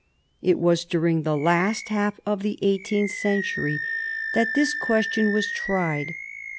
It was during the last half of the eighteenth century that this question was tried.